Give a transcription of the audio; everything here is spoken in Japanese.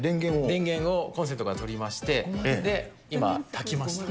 電源をコンセントから取りまして、今、炊きました。